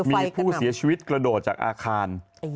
มีผู้เสียชีวิตกระโดดจากอาคาร